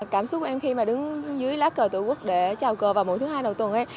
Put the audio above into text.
cảm xúc em khi mà đứng dưới lá cờ tổ quốc để chào cờ vào mỗi thứ hai đầu tuần